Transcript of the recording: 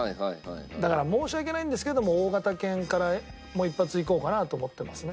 だから申し訳ないんですけども大型犬から一発いこうかなと思ってますね。